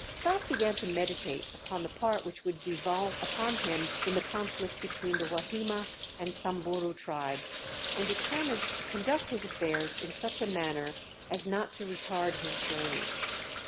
Stas began to meditate upon the part which would devolve upon him in the conflict between the Wahima and Samburu tribes and determined to conduct his affairs in such a manner as not to retard his journey.